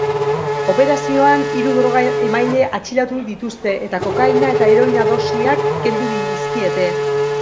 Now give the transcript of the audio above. Operazioan hiru droga emaile atxilotu dituzte eta kokaina eta heroina dosiak kendu dizkiete.